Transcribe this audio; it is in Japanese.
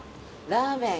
ラーメン